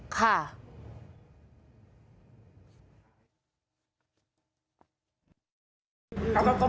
เขาก็กรมลงกาก